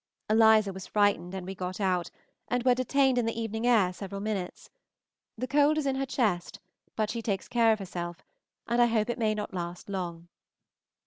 Eliza was frightened, and we got out, and were detained in the evening air several minutes. The cold is in her chest, but she takes care of herself, and I hope it may not last long.